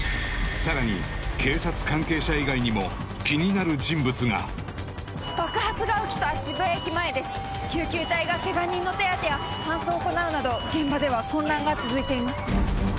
さらに警察関係者以外にも気になる人物が爆発が起きた渋谷駅前です救急隊がケガ人の手当てや搬送を行うなど現場では混乱が続いています